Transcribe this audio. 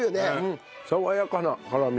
爽やかな辛み。